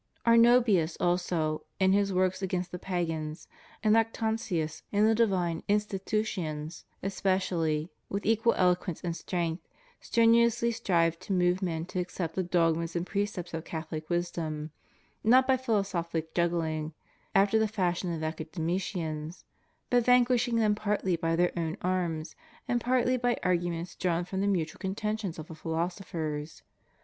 ^ Arnobius also, in his works against the pagans, and Lactantius in the divine Institutions especially, with equal eloquence and strength strenuously strive to move men to accept the dogmas and precepts of Catholic wisdom, not by philosophic juggling, after the fashion of the academicians,* but vanquishing them partly by their own arms, and partly by arguments drawn from the mutual contentions of the philosophers.